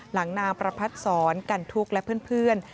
นางประพัดศรกันทุกข์และเพื่อน